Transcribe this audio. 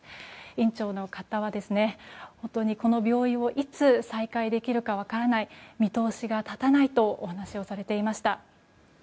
院長は、本当にこの病院をいつ再開できるか分からない見通しが立たないとお話をされていました。